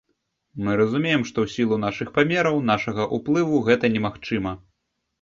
Мы разумеем, што ў сілу нашых памераў, нашага ўплыву, гэта немагчыма.